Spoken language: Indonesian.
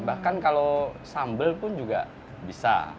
bahkan kalau sambal pun juga bisa